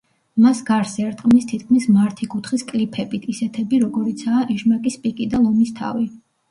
მას გარს ერტყმის თითქმის მართი კუთხის კლიფებით, ისეთები როგორებიცაა ეშმაკის პიკი და ლომის თავი.